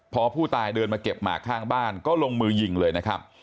พอผู้ตายเดินมาเก็บหมากข้างบ้านก็ลงมือยิงเลยนะครับ